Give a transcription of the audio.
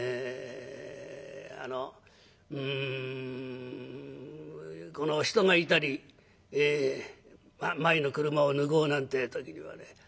あの人がいたり前の車を抜こうなんて時にはね